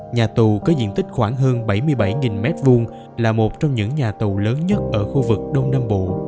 nhà tù có diện tích khoảng hơn bảy mươi bảy m hai là một trong những nhà tù lớn nhất ở khu vực đông nam bộ